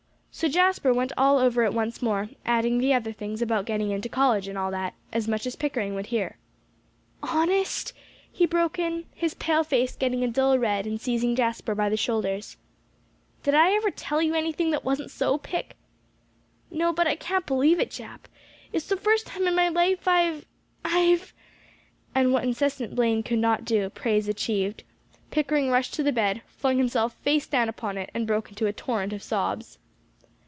So Jasper went all over it once more, adding the other things about getting into college and all that, as much as Pickering would hear. "Honest?" he broke in, his pale face getting a dull red, and seizing Jasper by the shoulders. "Did I ever tell you anything that wasn't so, Pick?" "No; but I can't believe it, Jap. It's the first time in my life I've I've " And what incessant blame could not do, praise achieved. Pickering rushed to the bed, flung himself face down upon it, and broke into a torrent of sobs.